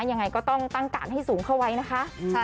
ยังไงก็ต้องตั้งการให้สูงเข้าไว้นะคะ